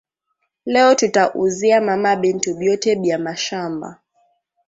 Leo tuta uzia mama bintu byote bya mashamba